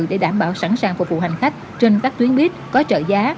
để đảm bảo sẵn sàng phục vụ hành khách trên các tuyến buýt có trợ giá